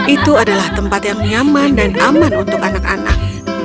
itu adalah tempat yang nyaman dan aman untuk anak anak